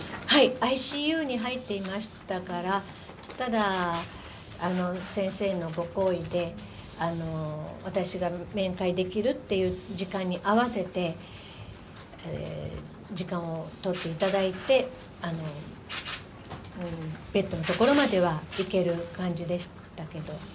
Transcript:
ＩＣＵに入っていましたから、ただ、先生のご厚意で、私が面会できるっていう時間に合わせて、時間を取っていただいて、ベッドのところまでは行ける感じでしたけど。